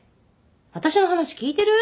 私の話聞いてる？